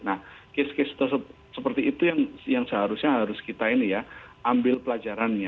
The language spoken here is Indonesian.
nah kes kes seperti itu yang seharusnya harus kita ambil pelajarannya